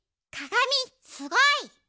かがみすごい！